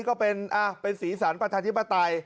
ก็เป็นศีรษรประธานธิปไตย